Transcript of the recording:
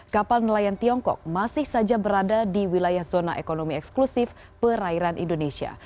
kapal nelayan tiongkok masih saja berada di wilayah zona ekonomi eksklusif perairan indonesia